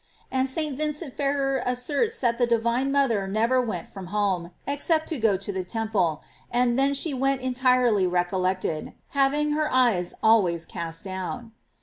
]; And St. Vincent Ferrer asserts that the divine mother never went from home, except to go to the temple, and then she went entirely recollected, having her eyes al ways cast down.